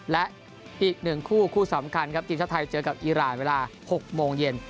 และอีก๑คู่คู่สำคัญครับทีมชาติไทยเจอกับอีรานเวลา๖โมงเย็น